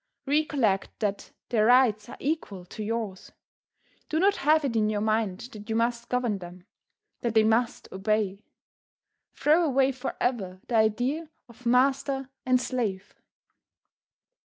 Recollect that their rights are equal to yours. Do not have it in your mind that you must govern them; that they must obey. Throw away forever the idea of master and slave.